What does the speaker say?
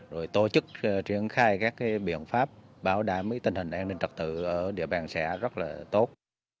rồi tổ chức triển khai các biện pháp bảo đảm tình hình an ninh trật tự ở địa bàn xã rất là tốt